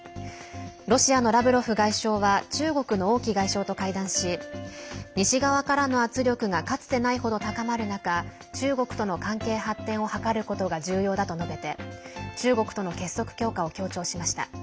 ロシアのラブロフ外相は中国の王毅外相と会談し西側からの圧力がかつてないほど高まる中中国との関係発展を図ることが重要だと述べて中国との結束強化を強調しました。